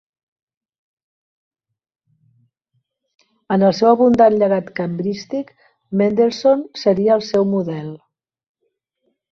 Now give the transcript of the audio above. En el seu abundant llegat cambrístic Mendelssohn seria el seu model.